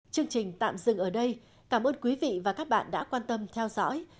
chương trình tạm dừng ở đây cảm ơn quý vị và các bạn đã quan tâm theo dõi